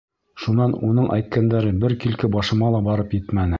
Шунан уның әйткәндәре бер килке башыма ла барып етмәне.